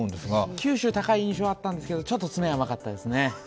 九州高い印象があったんですが、ちょっと詰めが甘かったですね。